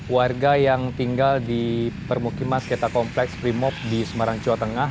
warga yang tinggal di permukiman sekitar kompleks primob di semarang jawa tengah